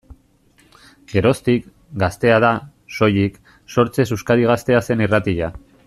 Geroztik, Gaztea da, soilik, sortzez Euskadi Gaztea zen irratia.